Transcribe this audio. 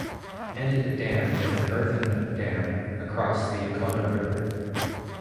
Enid Dam is an earthen dam across the Yocona River.